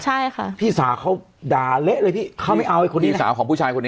ใช่ค่ะพี่สาวเขาด่าเละเลยพี่เขาไม่เอาไอ้คนพี่สาวของผู้ชายคนนี้